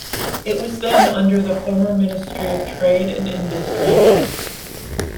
It was then under the former Ministry of Trade and Industry.